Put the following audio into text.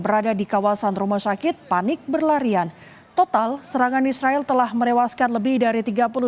berada di kawasan rumah sakit panik berlarian total serangan israel telah merewaskan lebih dari tiga puluh